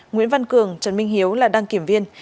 nguyễn văn cường trần minh hiếu là đăng kiểm viên